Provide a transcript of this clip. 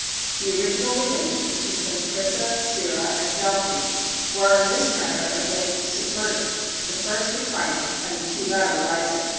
The original relations between Crissa, Cirrha, and Delphi, were in this manner at length subverted, the first declining and the two latter rising.